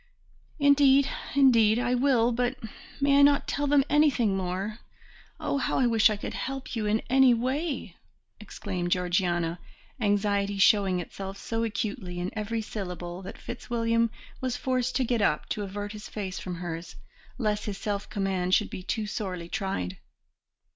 "Indeed, indeed, I will, but may I not tell them anything more? Oh, how I wish I could help you in any way," exclaimed Georgiana, anxiety showing itself so acutely in every syllable that Fitzwilliam was forced to get up to avert his face from hers, lest his self command should be too sorely tried.